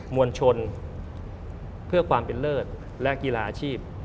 มวลชนเพื่อความเป็นเลิศและกีฬาอาชีพ